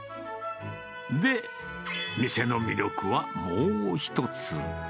で、店の魅力はもう一つ。